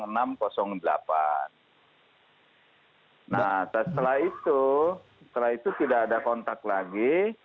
nah setelah itu setelah itu tidak ada kontak lagi